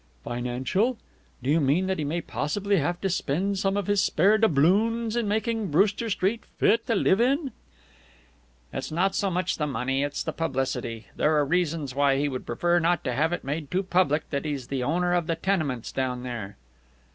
"Financial? Do you mean that he may possibly have to spend some of his spare doubloons in making Broster Street fit to live in?" "It's not so much the money. It's the publicity. There are reasons why he would prefer not to have it made too public that he's the owner of the tenements down there."